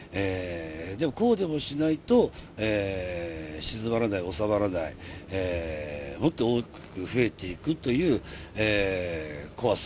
でもこうでもしないと、鎮まらない、収まらない、もっと大きく増えていくという怖さ。